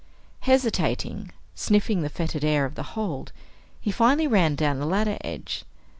Hesitating, sniffing the fetid air of the hold, he finally ran down the ladder edge.